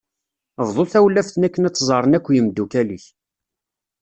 Bḍu tawlaft-nni akken ad tt-ẓren akk yemdukal-ik.